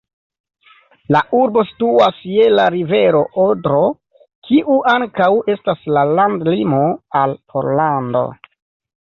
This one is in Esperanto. La urbo situas je la rivero Odro, kiu ankaŭ estas la landlimo al Pollando.